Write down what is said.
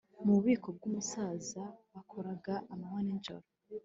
mu bubiko bwumusaza, bakoraga amanywa n'ijoro